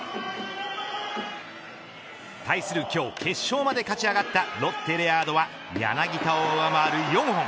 対する、今日決勝まで勝ち上がったロッテ、レアードは柳田を上回る４本。